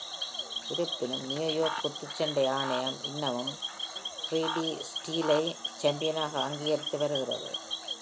இருப்பினும், நியூயார்க் குத்துச்சண்டை ஆணையம் இன்னமும் Freddie Steele-ஐ சாம்பியனாக அங்கீகரித்து வருகிறது.